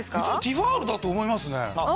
一応、ティファールだと思いますね。